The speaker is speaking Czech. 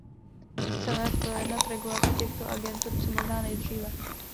Chceme projednat regulaci těchto agentur co možná nejdříve.